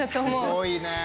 すごいね。